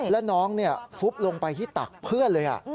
แล้วน้องฟุบลงไปที่ตักเพื่อนเลย